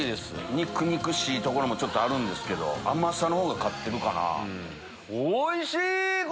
肉々しいところもあるんですけど甘さの方が勝ってるかな。